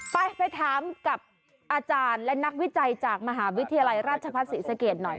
ไปไปถามกับอาจารย์และนักวิจัยจากมหาวิทยาลัยราชพัฒนศรีสะเกดหน่อย